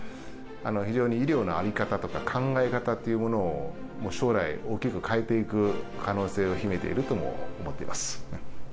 非常に医療の在り方とか考え方というものを、もう将来、大きく変えていく可能性を秘めているとも思っています。